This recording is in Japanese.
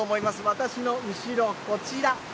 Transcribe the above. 私の後ろ、こちら。